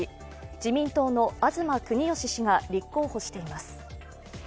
自民党の東国幹氏が立候補しています。